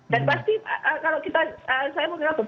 dan pasti kalau kita saya mengira beberapa